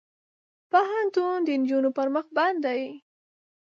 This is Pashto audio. پوهنتون د نجونو پر مخ بند دی.